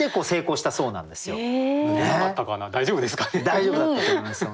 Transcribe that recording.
大丈夫だったと思います。